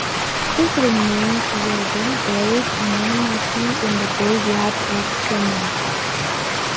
His remains were then buried anonymously in the graveyard of Clamart.